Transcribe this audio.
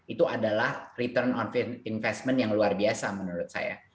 itu adalah return on investment yang luar biasa menurut saya